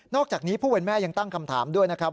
อกจากนี้ผู้เป็นแม่ยังตั้งคำถามด้วยนะครับ